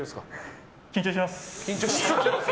緊張してます。